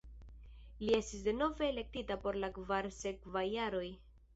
Li estis denove elektita por la kvar sekvaj jaroj.